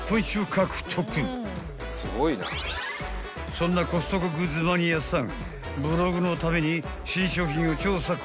［そんなコストコグッズマニアさん］